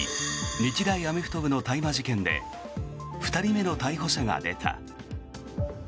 日大アメフト部の大麻事件で２人目の逮捕者が出た。